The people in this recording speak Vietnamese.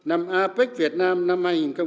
năm apec việt nam năm hai nghìn một mươi bảy